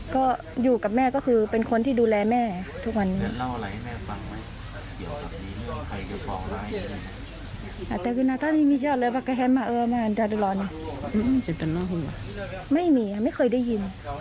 ก็อยู่กับแม่ก็คือเป็นคนที่ดูแลแม่ทุกวันนี้